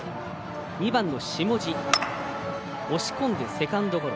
２番の下地押し込んでセカンドゴロ。